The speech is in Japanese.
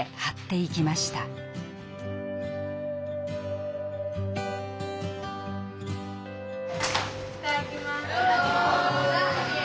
いただきます。